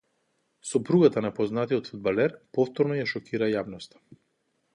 Сопругата на познатиот фудбалер повторно ја шокира јавноста